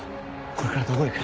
これからどこ行く？